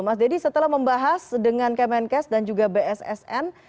mas dedy setelah membahas dengan kemenkes dan juga bssn